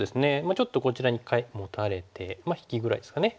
ちょっとこちらに一回モタれて引きぐらいですかね。